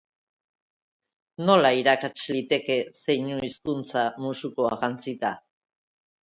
Nola irakats liteke zeinu hizkuntza musukoa jantzita?